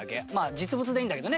実物でいいんだけどね